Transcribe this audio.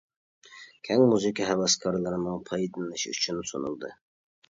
كەڭ مۇزىكا ھەۋەسكارلىرىنىڭ پايدىلىنىشى ئۈچۈن سۇنۇلدى.